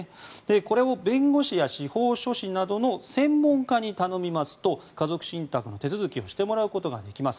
これを弁護士や司法書士などの専門家に頼みますと家族信託の手続きをしてもらうことができます。